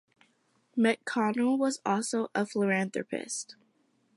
McConnell was also a philanthropist.